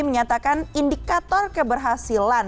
menyatakan indikator keberhasilan